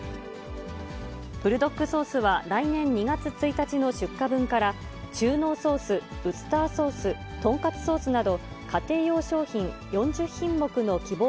ブルドックソースは、来年２月１日の出荷分から、中濃ソース、ウスターソース、とんかつソースなど、家庭用商品４０品目の希望